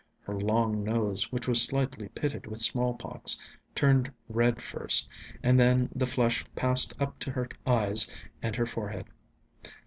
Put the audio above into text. Her long nose, which was slightly pitted with smallpox, turned red first, and then the flush passed up to her eyes and her forehead.